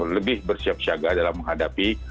lebih bersiap siaga dalam menghadapi